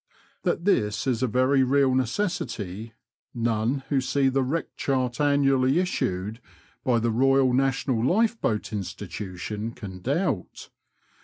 That this is a very real necessity, none who see the Wreck Chart annually issued by the Eoyal National Lifeboat Institution can doubt.